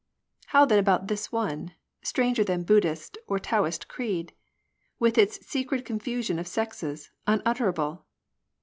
How then about this one, stranger than Buddhist or Taoist creed ? With its secret confusion of sexes, unutterable